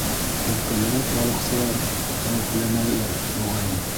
Өл-кәнерәк балыҡсылар хәүефләнәлер, моғайын.